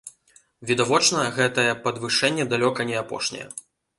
Відавочна, гэтае падвышэнне далёка не апошняе.